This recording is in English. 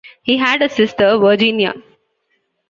He had a sister, Virginia.